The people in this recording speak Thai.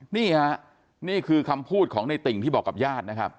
นี่ฮะนี่คือคำพูดของในติ่งที่บอกกับญาตินะครับ